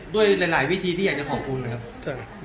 ด้วยหลายวิธีที่อยากจะขอบคุณนะครับ